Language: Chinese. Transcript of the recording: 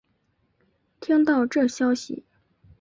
听到这消息